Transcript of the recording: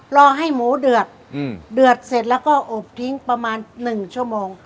รอให้หมูเดือดเดือดเสร็จแล้วก็อบทิ้งประมาณ๑ชั่วโมง